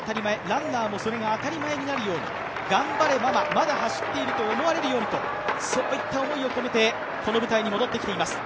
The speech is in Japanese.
ランナーもそれが当たり前になるように、頑張れママ、まだ走っていると思われるようにそういった思いを込めて、この舞台に戻ってきています。